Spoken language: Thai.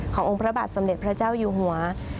ขององค์พระบาทสมเด็จพระเจ้าอยู่หัว